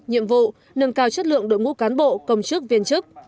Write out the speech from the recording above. nhiệm vụ nâng cao chất lượng đội ngũ cán bộ công chức viên chức